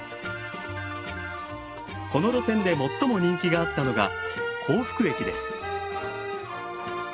この路線で最も人気があったのが幸福駅です。